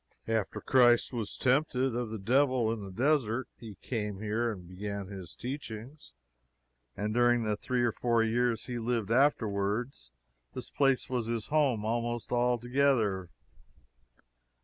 After Christ was tempted of the devil in the desert, he came here and began his teachings; and during the three or four years he lived afterward, this place was his home almost altogether.